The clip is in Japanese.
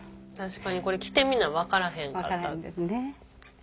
確かにこれ来てみな分からへんかった。